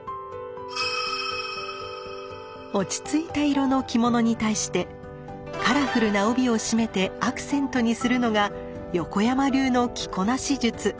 落ち着いた色の着物に対してカラフルな帯を締めてアクセントにするのが横山流の着こなし術。